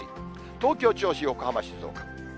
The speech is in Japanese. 東京、銚子、横浜、静岡。